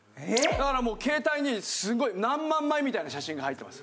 だからもう携帯にすごい何万枚みたいな写真が入ってます。